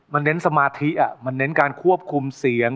มันเน้นสมาธิมันเน้นการควบคุมเสียง